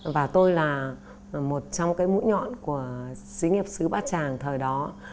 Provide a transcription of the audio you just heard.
và tôi là một trong mũi nhọn của sĩ nghiệp sứ bát tràng thời đó